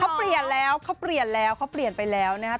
เขาเปลี่ยนแล้วเขาเปลี่ยนแล้วเขาเปลี่ยนไปแล้วนะครับ